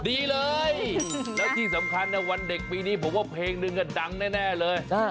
ดีเลยแล้วที่สำคัญวันเด็กปีนี้ผมว่าเพลงนึงดังแน่เลย